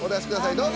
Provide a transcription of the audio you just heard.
どうぞ。